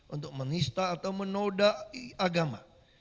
untuk menista atau menodai agama